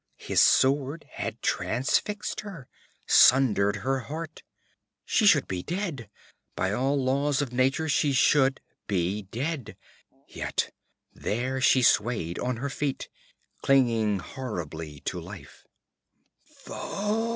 His sword had transfixed her, sundered her heart. She should be dead; by all laws of nature she should be dead. Yet there she swayed, on her feet, clinging horribly to life.